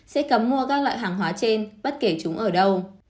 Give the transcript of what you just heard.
sẽ cấm mua các loại hàng hóa trên bất kể chúng ở đâu